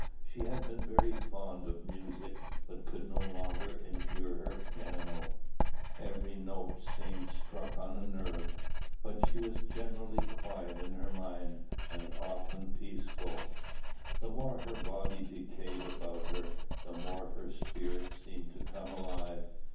She had been very fond of music, but could no longer endure her piano: every note seemed struck on a nerve. But she was generally quiet in her mind, and often peaceful. The more her body decayed about her, the more her spirit seemed to come alive.